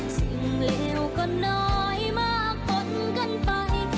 สิ่งเลวก็น้อยมากขนกันไป